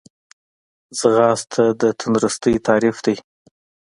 ځغاسته د تندرستۍ تعریف دی